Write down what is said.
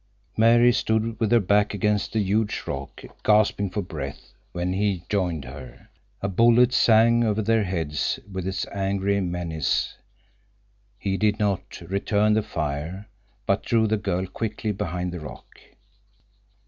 Mary stood with her back against the huge rock, gasping for breath, when he joined her. A bullet sang over their heads with its angry menace. He did not return the fire, but drew the girl quickly behind the rock.